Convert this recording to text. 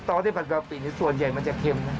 ตอนที่ผัดกะปิส่วนใหญ่มันจะเค็มนะ